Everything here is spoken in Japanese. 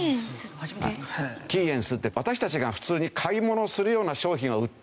キーエンスって私たちが普通に買い物するような商品は売ってないので。